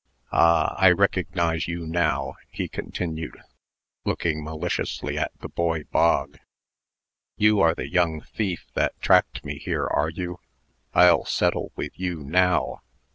"Ah, I recognize you now," he continued, looking maliciously at the boy Bog. "You are the young thief that tracked me here, are you? I'll settle with you now."